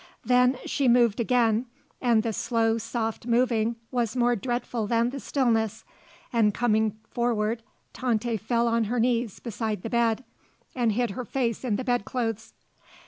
Then she moved again, and the slow, soft moving was more dreadful than the stillness, and coming forward Tante fell on her knees beside the bed and hid her face in the bed clothes.